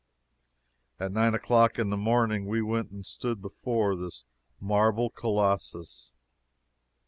At nine o'clock in the morning we went and stood before this marble colossus.